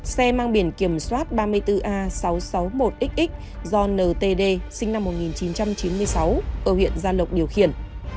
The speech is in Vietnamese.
xe mang biển kiểm soát ba mươi bốn a sáu trăm sáu mươi một xx do ntd sinh năm một nghìn chín trăm chín mươi sáu ở huyện gia lộc điều khiển